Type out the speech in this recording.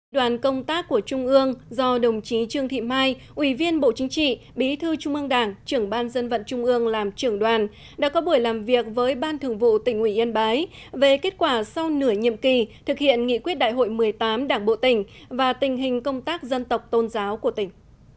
đoàn công tác của trung ương do đồng chí trương thị mai ủy viên bộ chính trị bí thư trung ương đảng trưởng ban dân vận trung ương làm trưởng đoàn đã có buổi làm việc với ban thường vụ tỉnh ủy yên bái về kết quả sau nửa nhiệm kỳ thực hiện nghị quyết đại hội một mươi tám đảng bộ tỉnh và tình hình công tác dân tộc tôn giáo của tỉnh